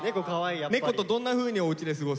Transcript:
猫とどんなふうにおうちで過ごすの？